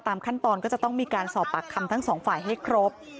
ขั้นตอนก็จะต้องมีการสอบปากคำทั้งสองฝ่ายให้ครบ